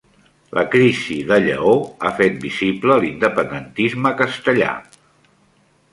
La crisi de Lleó ha fet visible l'independentisme castellà